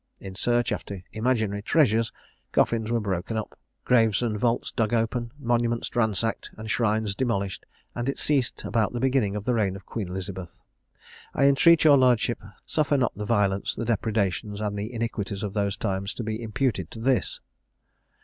In search after imaginary treasures, coffins were broken up, graves and vaults dug open, monuments ransacked, and shrines demolished; and it ceased about the beginning of the reign of Queen Elizabeth. I entreat your lordship, suffer not the violence, the depredations, and the iniquities of those times, to be imputed to this.